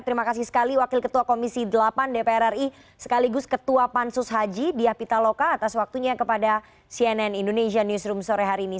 terima kasih sekali wakil ketua komisi delapan dpr ri sekaligus ketua pansus haji diah pitaloka atas waktunya kepada cnn indonesia newsroom sore hari ini